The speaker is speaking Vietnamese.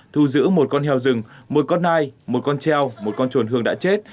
thu giữ một con heo rừng một con ai một con treo một con chuồn hương đã chết